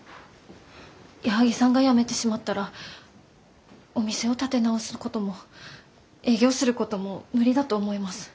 矢作さんが辞めてしまったらお店を立て直すことも営業することも無理だと思います。